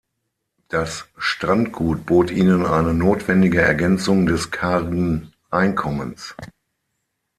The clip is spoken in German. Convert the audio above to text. Das Strandgut bot ihnen eine notwendige Ergänzung des kargen Einkommens.